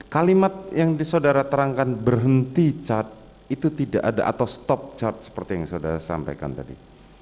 kalimat yang saudara terangkan berhenti cat itu tidak ada atau stop chart seperti yang saudara sampaikan tadi